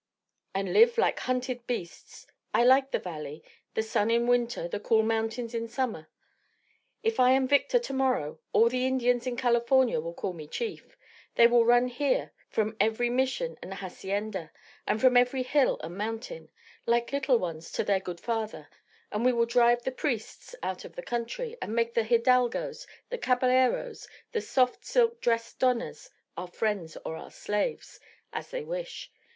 "And live like hunted beasts. I like the valley; the sun in winter, the cool mountains in summer. If I am victor to morrow, all the Indians in California will call me chief. They will run here from every Mission and hacienda, and from every hill and mountain, like little ones to their good father; and we will drive the priests out of the country, and make the hidalgos, the caballeros, the soft silk dressed donas our friends or our slaves as they wish.